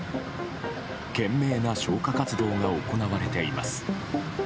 懸命な消火活動が行われています。